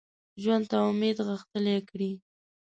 ژوند ته امید غښتلی کړي